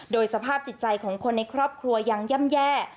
โดยสภาพจิตใจของคนในครอบครัวยังย่ำแย่